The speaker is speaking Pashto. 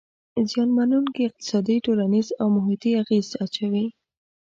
زیانمنووونکي اقتصادي، ټولنیز او محیطي اغیز اچوي.